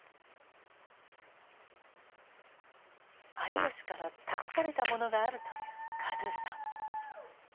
有吉から託されたものがあるというカドゥさん。